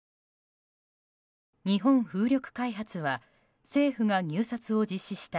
日本風力開発は政府が入札を実施した